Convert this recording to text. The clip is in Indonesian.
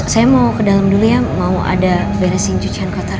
saya mau ke dalam dulu ya mau ada beresin cucian kotor